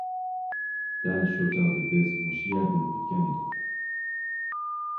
دەل شۇ چاغدا بىز مۇشۇ يەردىن ئۆتكەن ئىدۇق.